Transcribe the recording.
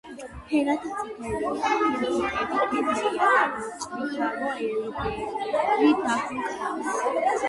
ფერად წითელია, ფირფიტები თეთრია და მოყვითალო ელფერი დაჰკრავს.